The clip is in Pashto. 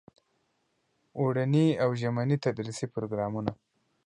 اوړني او ژمني تدریسي پروګرامونه.